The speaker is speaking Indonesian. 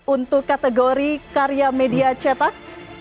untuk kategori karya media cetak